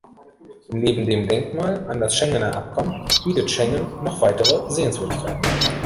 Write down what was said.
Neben dem Denkmal an das Schengener Abkommen bietet Schengen noch weitere Sehenswürdigkeiten.